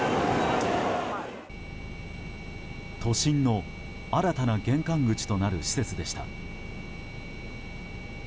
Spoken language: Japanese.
都心の新たな玄関口となる施設でした。